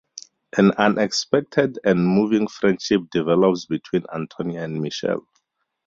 An unexpected and moving friendship develops between Antonia and Michele.